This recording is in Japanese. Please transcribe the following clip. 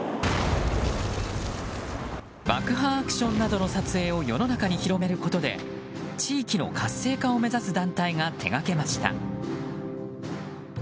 爆破アクションなどの撮影を世の中に広めることで地域の活性化を目指す団体が手がけました。